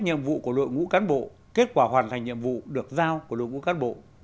nhiệm vụ của đội ngũ cán bộ kết quả hoàn thành nhiệm vụ được giao của đội ngũ cán bộ